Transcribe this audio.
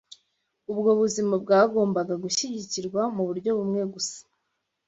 Ubwo buzima bwagombaga gushyigikirwa mu buryo bumwe gusa